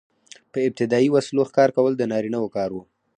په ابتدايي وسلو ښکار کول د نارینه وو کار و.